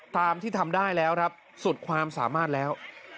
ตามที่ทำได้แล้วครับสุดความสามารถแล้ว